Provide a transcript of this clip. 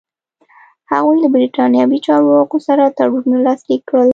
هغوی له برېټانوي چارواکو سره تړونونه لاسلیک کړل.